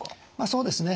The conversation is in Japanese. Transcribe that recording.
そうですね。